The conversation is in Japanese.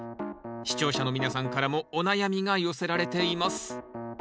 視聴者の皆さんからもお悩みが寄せられています